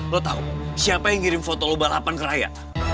lo tahu siapa yang ngirim foto lo balapan ke rakyat